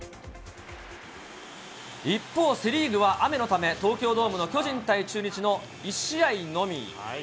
一方、セ・リーグは雨のため、東京ドームの巨人対中日の１試合のみ。